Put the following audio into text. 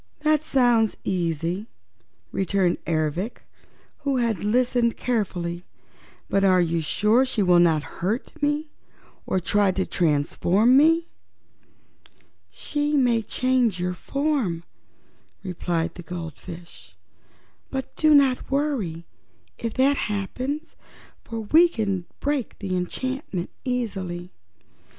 "That sounds easy," returned Ervic, who had listened carefully. "But are you sure she will not hurt me, or try to transform me?" "She may change your form," replied the goldfish, "but do not worry if that happens, for we can break that enchantment easily.